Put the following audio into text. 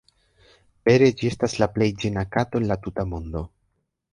Vere ĝi estas la plej ĝena kato en la tuta mondo.